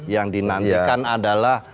yang dinantikan adalah